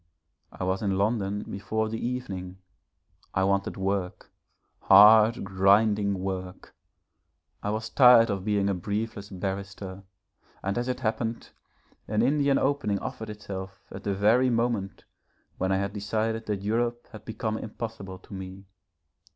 I was in London before the evening. I wanted work, hard, grinding work, I was tired of being a briefless barrister, and as it happened, an Indian opening offered itself at the very moment when I had decided that Europe had become impossible to me.